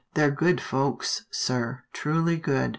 " They're good folks, sir, truly good.